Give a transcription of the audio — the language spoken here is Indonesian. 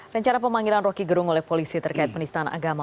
rencana pemanggilan roky gerung oleh polisi terkait penistaan agama